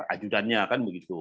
ajudannya kan begitu